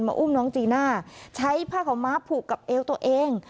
อุ้มน้องจีน่าใช้ผ้าขาวม้าผูกกับเอวตัวเอง